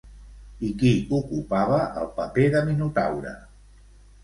I qui ocupava el paper de Minotaure?